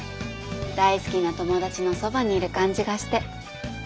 大好きな友達のそばにいる感じがして。